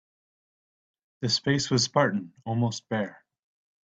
The space was spartan, almost bare.